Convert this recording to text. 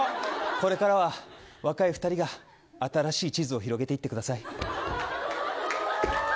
これからは若い２人が新しい地図を広げていってください。